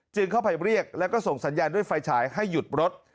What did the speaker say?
เข้าไปเรียกแล้วก็ส่งสัญญาณด้วยไฟฉายให้หยุดรถ